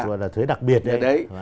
đó là thuế đặc biệt đấy